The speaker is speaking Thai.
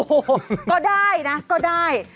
โอ้โหก็ได้นะก็ได้